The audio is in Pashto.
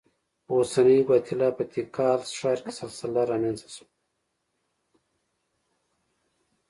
په اوسنۍ ګواتیلا په تیکال ښار کې سلسله رامنځته شوه.